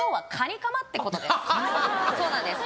そうなんです